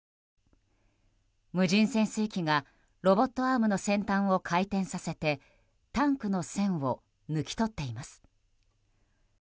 無人潜水機がロボットアームの先端を回転させてタンクの栓を抜き取っています。